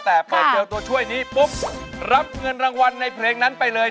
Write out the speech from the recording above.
แต่เปิดเจอตัวช่วยนี้ปุ๊บรับเงินรางวัลในเพลงนั้นไปเลย